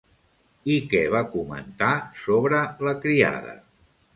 I què va comentar sobre la criada?